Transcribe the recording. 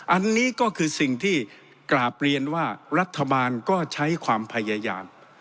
อันนี้ก็คือสิ่งที่กราบเรียนว่ารัฐบาลก็ใช้ความพยายาม